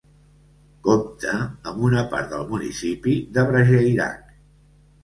Compta amb una part del municipi de Brageirac.